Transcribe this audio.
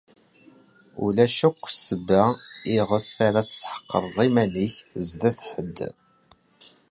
Ulac akk ssebba iɣef ara tesḥeqreḍ iman-ik zdat ḥedd.